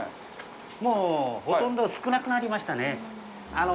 もうほとんど少なくなりましたね。